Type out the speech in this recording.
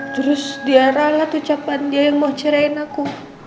terus dia ralat ucapan dia yang mau cerahin aku